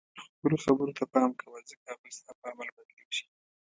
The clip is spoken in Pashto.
خپلو خبرو ته پام کوه ځکه هغوی ستا په عمل بدلیږي.